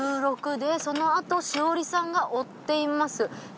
１６でそのあとしおりさんが追っています。